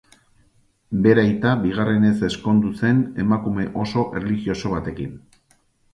Bere aita bigarrenez ezkondu zen emakume oso erlijioso batekin.